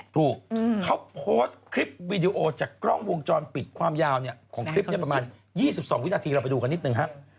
ถูกเขาโพสต์คลิปวิดีโอจากกล้องวงจรปิดความยาวของคลิปนี้ประมาณ๒๒วินาทีเราไปดูกันนิดนึงฮะ